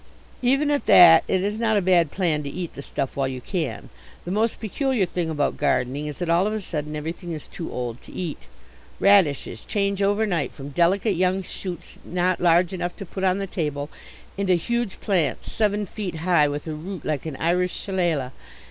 Even at that it is not a bad plan to eat the stuff while you can. The most peculiar thing about gardening is that all of a sudden everything is too old to eat. Radishes change over night from delicate young shoots not large enough to put on the table into huge plants seven feet high with a root like an Irish shillelagh.